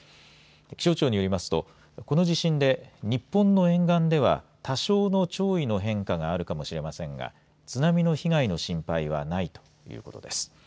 気象庁によりますとこの地震で日本の沿岸では多少の潮位の変化があるかもしれませんが津波の被害の心配はないということです。